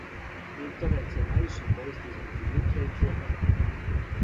Интернет се највише користи између јутра и поднева.